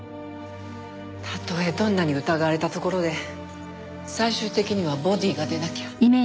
たとえどんなに疑われたところで最終的にはボディが出なきゃ。